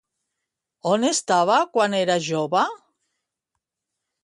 On estava quan era jove?